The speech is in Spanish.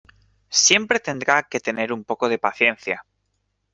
siempre tendrá que tener un poco de paciencia